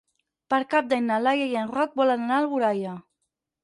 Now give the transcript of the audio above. Per Cap d'Any na Laia i en Roc volen anar a Alboraia.